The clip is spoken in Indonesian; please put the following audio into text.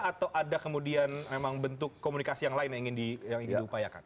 atau ada kemudian memang bentuk komunikasi yang lain yang ingin diupayakan